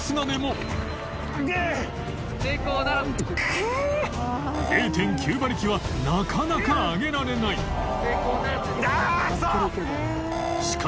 舛叩磽．９馬力はなかなか上げられない磴靴